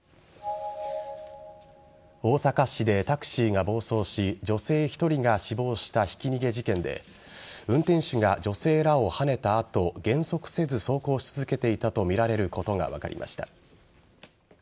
大阪市でタクシーが暴走し女性１人が死亡したひき逃げ事件で運転手が女性らをはねた後減速せず走行し続けていたとみらることが分かりました。